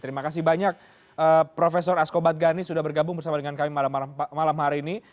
terima kasih banyak prof asko badganis sudah bergabung bersama dengan kami malam hari ini